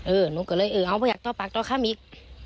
เออนูก็เลยเออเอาไปหักต้อปากต้อข้ามอีก